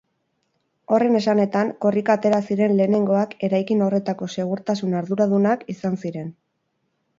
Horren esanetan, korrika atera ziren lehenengoak eraikin horretako segurtasun arduradunak izan ziren.